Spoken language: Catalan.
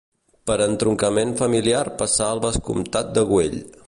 Per entroncament familiar passà al vescomtat de Güell.